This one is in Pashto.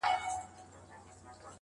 گراني چي د ټول كلي ملكه سې~